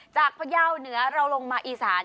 จากพระเยาะเหนือเราลงมาอีสาน